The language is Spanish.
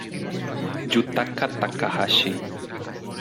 Yutaka Takahashi